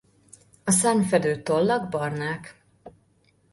A szárnyfedő tollak barnák.